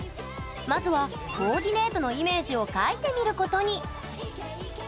まずは、コーディネートのイメージを描いてみることに。